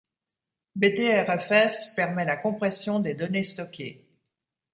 Btrfs permet la compression des données stockées.